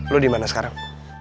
lo dimana sekarang